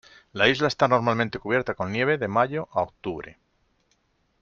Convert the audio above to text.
La isla está normalmente cubierta con nieve de mayo a octubre.